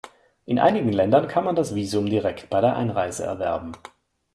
In einigen Ländern kann man das Visum direkt bei der Einreise erwerben.